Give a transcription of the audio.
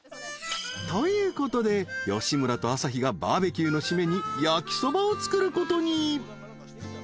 ［ということで吉村と朝日がバーベキューの締めに焼きそばを作ることに］